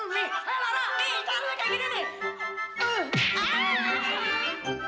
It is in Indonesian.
makanya bukannya mami mau tolong pelan dua lagi makanya